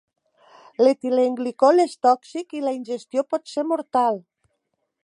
L'etilenglicol és tòxic i la ingestió pot ser mortal.